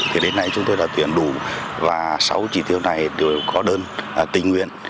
thì đến nay chúng tôi đã tuyển đủ và sáu chỉ tiêu này đều có đơn tình nguyện